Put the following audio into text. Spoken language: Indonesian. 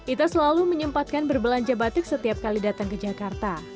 ita selalu menyempatkan berbelanja batik setiap kali datang ke jakarta